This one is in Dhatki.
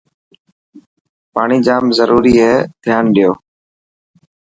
پاڻي جام ضروري هي ڌيان ڏيو.